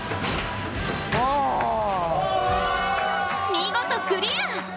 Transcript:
見事クリア！